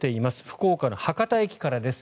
福岡の博多駅からです。